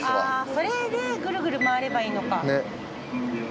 それでグルグル回ればいいのか。